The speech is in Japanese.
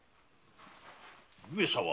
上様。